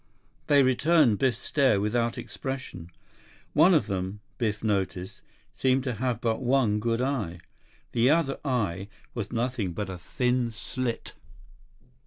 They returned Biff's stare without expression. One of them, Biff noticed, seemed to have but one good eye. The other eye was nothing but a thin slit.